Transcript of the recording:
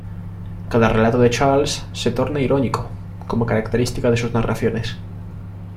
Cada relato de Charles se torna irónico, como característica de sus narraciones.